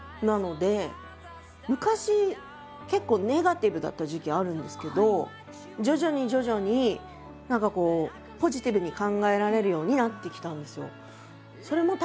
昔結構ネガティブだった時期あるんですけど徐々に徐々に何かこうポジティブに考えられるようになってきたんですよ。